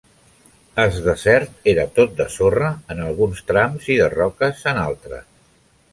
Es desert era tot de sorra en alguns trams i de roques en altres.